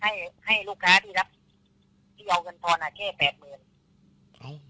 ให้ให้ลูกค้าที่รับที่เอาเงินทอนอ่ะแค่แปดหมื่นอืม